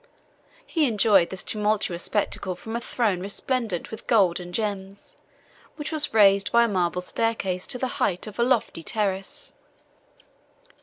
He enjoyed this tumultuous spectacle from a throne resplendent with gold and gems, which was raised by a marble staircase to the height of a lofty terrace.